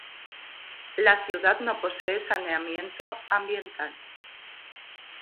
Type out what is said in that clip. La ciudad no posee saneamiento ambiental.